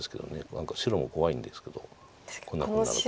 何か白も怖いんですけどこんなことになると。